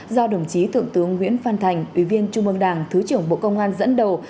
do đồng chí thượng tướng nguyễn phan thành ủy viên trung ương đảng thứ trưởng bộ công an dẫn đầu